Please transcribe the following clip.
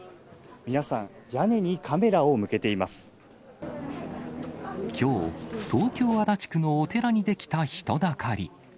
皆さん、屋根にカメラを向けていきょう、東京・足立区のお寺に出来た人だかり。